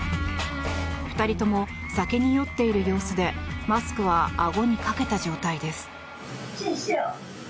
２人とも酒に酔っている様子でマスクはあごにかけた状態です。